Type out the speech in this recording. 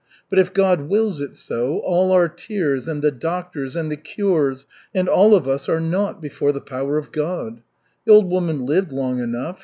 But if God wills it so, all our tears, and the doctors, and the cures, and all of us are naught before the power of God. The old woman lived long enough.